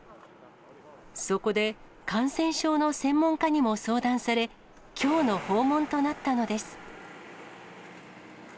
そこで、感染症の専門家にも相談され、きょうの訪問となったのです。